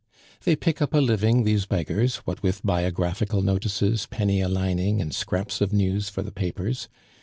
"They pick up a living, these beggars, what with biographical notices, penny a lining, and scraps of news for the papers.